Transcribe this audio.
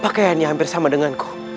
pakaiannya hampir sama dengan adikku